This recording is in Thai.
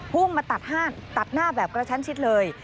พุ่งมาตัดหน้าแบบกระชั้นชิดเลย